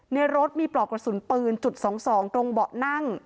ในรถมีปลอกกระสุนปืนจุด๒๒ตรงเบาะนั่ง